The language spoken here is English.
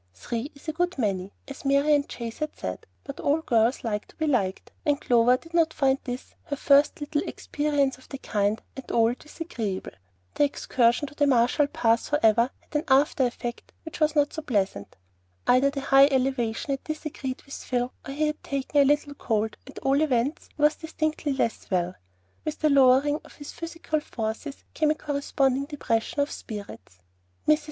"Three is a good many," as Marian Chase had said, but all girls like to be liked, and Clover did not find this, her first little experience of the kind, at all disagreeable. The excursion to the Marshall Pass, however, had an after effect which was not so pleasant. Either the high elevation had disagreed with Phil, or he had taken a little cold; at all events, he was distinctly less well. With the lowering of his physical forces came a corresponding depression of spirits. Mrs.